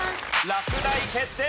落第決定！